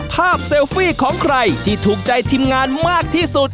เซลฟี่ของใครที่ถูกใจทีมงานมากที่สุด